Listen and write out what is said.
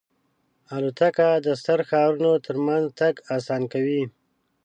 الوتکه د ستر ښارونو ترمنځ تګ آسان کړی.